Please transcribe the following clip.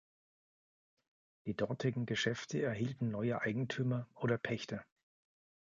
Die dortigen Geschäfte erhielten neue Eigentümer oder Pächter.